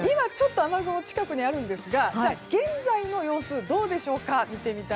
今雨雲が近くにあるんですが現在の様子どうでしょうか。